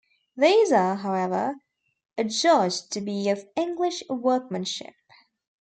These are, however, adjudged to be of English workmanship.